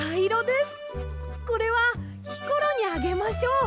これはひころにあげましょう。